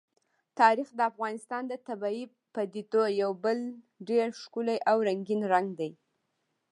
تاریخ د افغانستان د طبیعي پدیدو یو بل ډېر ښکلی او رنګین رنګ دی.